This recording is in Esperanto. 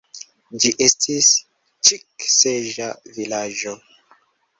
Ĝi estis ĉik-seĝa vilaĝo.